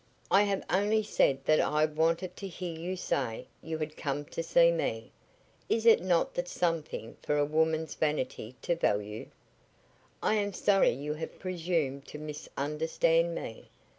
"I have only said that I wanted to hear you say you had come to see me. Is not that something for a woman's vanity to value? I am sorry you have presumed to misunderstand me."